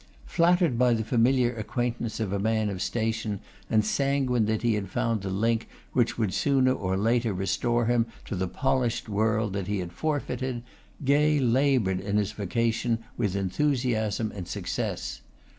Flattered by the familiar acquaintance of a man of station, and sanguine that he had found the link which would sooner or later restore him to the polished world that he had forfeited, Gay laboured in his vocation with enthusiasm and success.